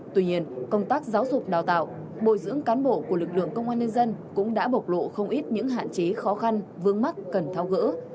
tuy nhiên công tác giáo dục đào tạo bồi dưỡng cán bộ của lực lượng công an nhân dân cũng đã bộc lộ không ít những hạn chế khó khăn vướng mắt cần thao gỡ